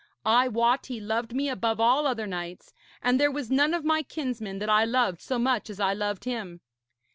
I wot he loved me above all other knights, and there was none of my kinsmen that I loved so much as I loved him.